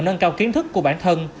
nâng cao kiến thức của bản thân